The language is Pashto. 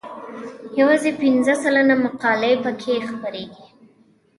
یوازې پنځه سلنه مقالې پکې خپریږي.